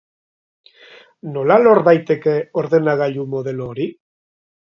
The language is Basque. Nola lor daiteke ordenagailu modelo hori?